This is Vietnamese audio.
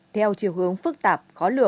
theo chiều hướng phức tạp